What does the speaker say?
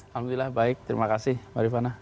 alhamdulillah baik terima kasih mbak rifana